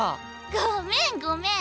ごめんごめん。